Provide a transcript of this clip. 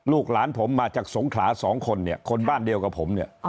ลูกหลานผมมาจากสงขลาสองคนเนี่ยคนบ้านเดียวกับผมเนี่ย